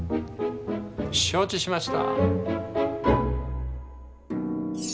承知しました。